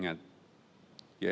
yang perlu kita ingat